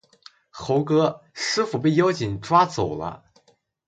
猴哥，师父被妖精抓走了